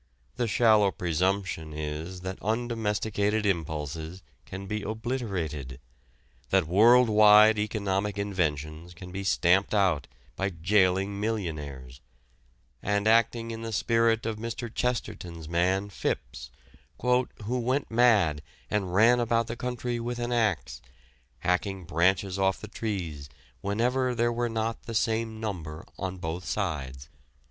The shallow presumption is that undomesticated impulses can be obliterated; that world wide economic inventions can be stamped out by jailing millionaires and acting in the spirit of Mr. Chesterton's man Fipps "who went mad and ran about the country with an axe, hacking branches off the trees whenever there were not the same number on both sides."